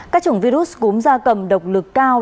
các chủng virus cúm da cầm độc lực cao